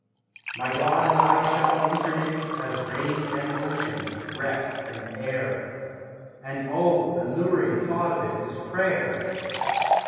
My God and I shall interknit As rain and Ocean, breath and Air; And oh, the luring thought of it Is prayer!